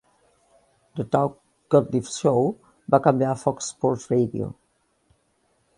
"The Doug Gottlieb Show" va canviar a Fox Sports Radio.